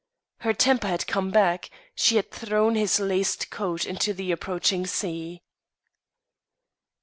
Her temper had come back; she had thrown his laced coat into the approaching sea!